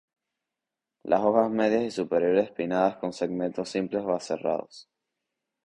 Las hojas medias y superiores pinnadas con segmentos simples o aserrados.